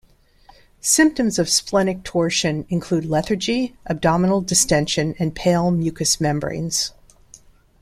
Symptoms of splenic torsion include lethargy, abdominal distension and pale mucous membranes.